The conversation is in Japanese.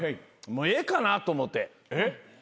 もうええかなと思って。